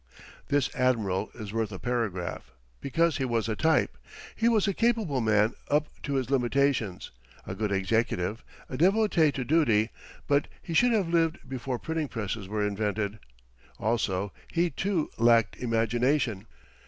This admiral is worth a paragraph, because he was a type. He was a capable man up to his limitations; a good executive, a devotee to duty; but he should have lived before printing presses were invented. Also he, too, lacked imagination.